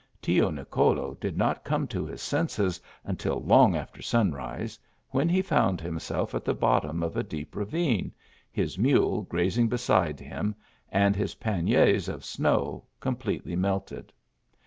Tio Nicolo did not come to his senses until long after sunrise, when he found himself at the bottom of a deep ravine, his mule grazing beside him, and his panniers of snow completely melted.